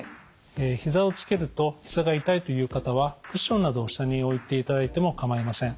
ひざをつけるとひざが痛いという方はクッションなどを下に置いていただいてもかまいません。